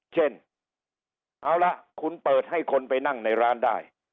เช่นเอาละคุณเปิดให้คนไปนั่งในร้านได้